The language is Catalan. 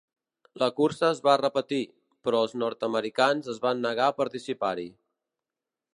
La cursa es va repetir, però els nord-americans es van negar a participar-hi.